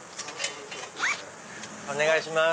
お願いします。